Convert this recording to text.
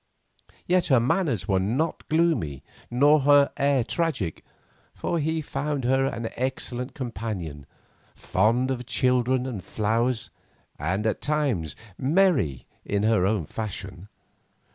Yet her manners were not gloomy, nor her air tragic, for he found her an excellent companion, fond of children and flowers, and at times merry in her own fashion.